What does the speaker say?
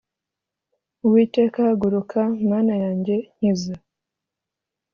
uwiteka haguruka mana yanjye nkiza